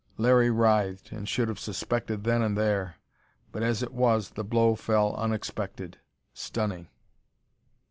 Larry writhed, and should have suspected then and there but as it was, the blow fell unexpected, stunning.